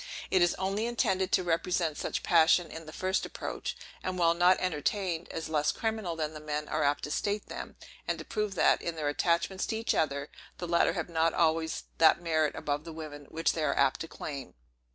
It is only intended to represent such passions in the first approach; and, while not entertained, as less criminal than the men are apt to state them; and to prove that, in their attachments to each other, the latter have not always that merit above the women, which they are apt to claim.